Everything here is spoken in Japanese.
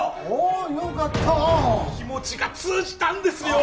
あよかった気持ちが通じたんですよ